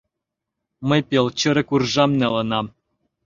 Мый пел чырык уржам налынам.